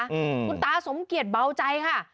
อืมคุณตาสมเกียจเบาใจค่ะ